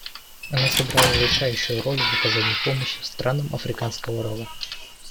Она сыграла решающую роль в оказании помощи странам Африканского Рога.